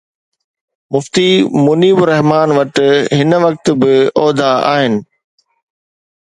مفتي منيب الرحمان وٽ هن وقت ٻه عهدا آهن.